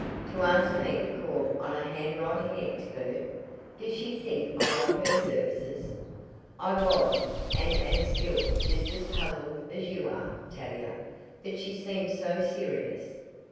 "To ask me to call on a handwriting expert! Does she think I want her services?" "I was, and am still, just as puzzled as you are, Tavia; but she seemed so serious.